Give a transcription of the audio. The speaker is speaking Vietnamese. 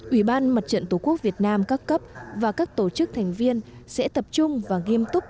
ủy ban mặt trận tổ quốc việt nam các cấp và các tổ chức thành viên sẽ tập trung và nghiêm túc